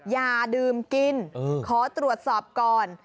อย่าดื่มกินขอตรวจสอบก่อน